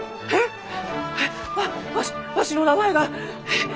えわわしわしの名前がえっ？